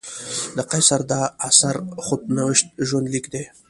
د قیصر دا اثر خود نوشت ژوندلیک دی.